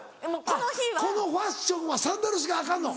このファッションはサンダルしかアカンの？